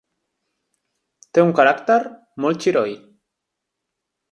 Té un caràcter molt xiroi.